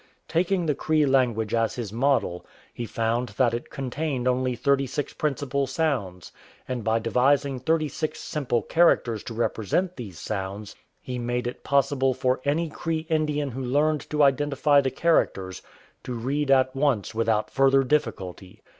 Taking the Cree language as his model, he found that it contained only thirty six principal sounds, and by devising thirty six simple characters to represent these sounds, he made it possible for any Cree Indian who learned to identify the characters to read at once without further difficulty.